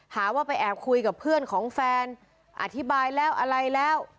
หาว่าไปแอบคุยกับเพื่อนของแฟนอธิบายแล้วอะไรแล้ว